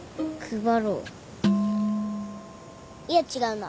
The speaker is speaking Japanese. いや違うな。